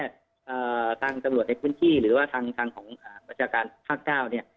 ทางตำรวจในพื้นที่หรือว่าทางทางของประชาการภาคเก้าเนี่ย